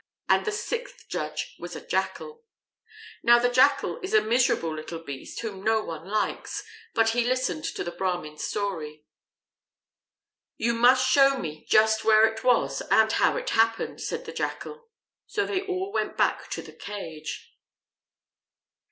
And the sixth judge was a Jackal. Now the Jackal is a miserable little beast whom no one likes, but he listened to the Brahmin's story. "You must show me just where it was and how it happened," said the Jackal. So they all went back to the cage.